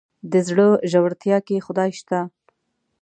د زړه ژورتيا کې خدای شته.